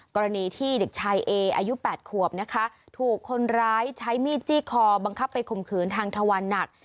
กรณีที่เด็กชายเออายุ๘ขวบนะคะถูกคนร้ายใช้มีดจี้คอบังคับไปข่มขืนทางทวันหนัก